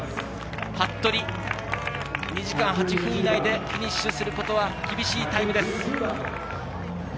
服部、２時間８分以内でフィニッシュすることは厳しいタイムです。